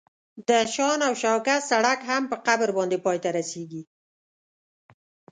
د شان او شوکت سړک هم په قبر باندې پای ته رسیږي.